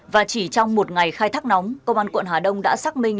và chỉ trong một ngày khai thác nóng công an quận hà đông đã xác minh